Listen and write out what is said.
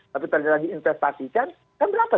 tapi ternyata diinvestasikan kan berapa